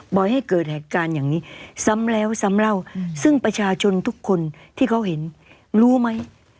ให้เกิดเหตุการณ์อย่างนี้ซ้ำแล้วซ้ำเล่าซึ่งประชาชนทุกคนที่เขาเห็นรู้ไหม